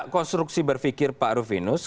konstruksi berfikir pak rufinus